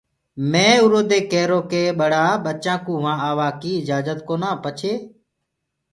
مي اُرو دي ڪيرو ڪي ٻڙآ ٻچآنٚ ڪوُ وهآنٚ آوآڪيٚ اِجآجت ڪونآ پڇي